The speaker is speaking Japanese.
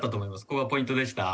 ここがポイントでした。